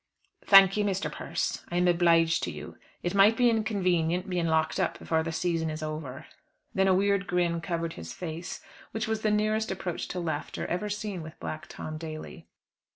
"Thank you, Persse, I am obliged to you. It might be inconvenient being locked up before the season is over." Then a weird grin covered his face; which was the nearest approach to laughter ever seen with Black Tom Daly.